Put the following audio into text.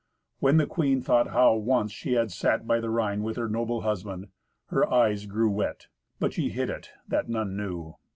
When the queen thought how once she had sat by the Rhine with her noble husband, her eyes grew wet. But she hid it, that none knew.